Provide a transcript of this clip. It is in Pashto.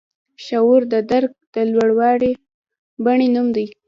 شعور د درک د لوړې بڼې نوم دی.